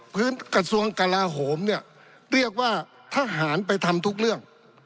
กระทรวงกลาโหมเนี่ยเรียกว่าทหารไปทำทุกเรื่อง